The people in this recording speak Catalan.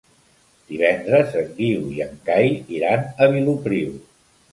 Divendres en Guiu i en Cai iran a Vilopriu.